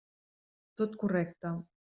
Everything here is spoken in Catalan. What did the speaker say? Tot correcte.